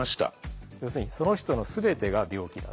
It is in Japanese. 要するにその人の全てが病気だ。